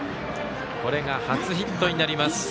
これが初ヒットになります。